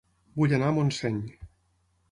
Vull anar a Montseny